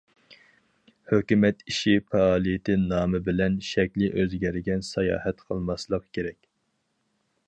ھۆكۈمەت ئىشى پائالىيىتى نامى بىلەن شەكلى ئۆزگەرگەن ساياھەت قىلماسلىق كېرەك.